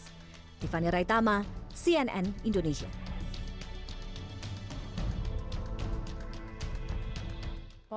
pemerintah juga menyebutnya sebagai pemerintah yang terjadi di indonesia juga menjadi sorotan tak sedikit media asing